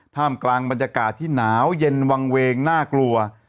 ท่ามกลางบรรยากาศที่หนาวเย็นวางเวงน่ากลัว